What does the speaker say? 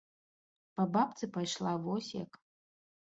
Па бабцы пайшла, вось як.